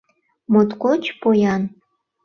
Моткоч поян!